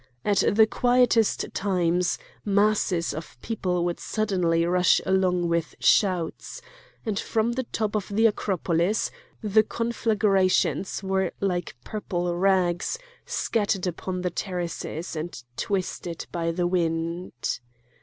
At the quietest times masses of people would suddenly rush along with shouts; and from the top of the Acropolis the conflagrations were like purple rags scattered upon the terraces and twisted by the wind.